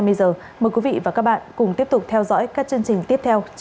mời quý vị và các bạn cùng tiếp tục theo dõi các chương trình tiếp theo trên anntv